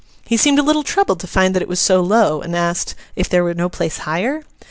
He seemed a little troubled to find that it was so low, and asked, 'if there were no place higher?